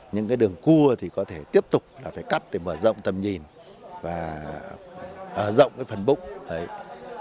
những đường cua thì có thể tiếp tục phải cắt để mở rộng tầm nhìn và rộng phần bụng